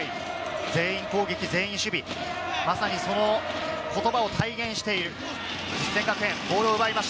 全員攻撃、全員守備、その言葉を体現している、実践学園。